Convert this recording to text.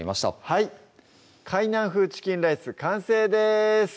はい「海南風チキンライス」完成です